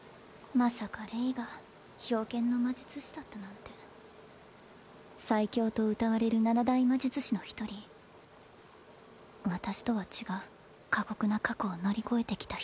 まさかレイが冰剣の魔術師だったなんて最強とうたわれる七大魔術師の一人私とは違う過酷な過去を乗り越えてきた人